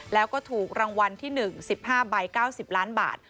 แล้วก็ถูกรางวัลที่๑๑๕ใบ๙๐ล้านบาท